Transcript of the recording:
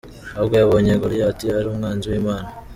Ahubwo yabonye Goliath ari umwanzi w’Imana.